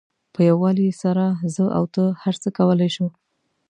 په یووالي سره زه او ته هر څه کولای شو.